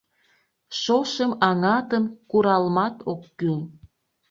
Шошым аҥатым куралмат ок кӱл.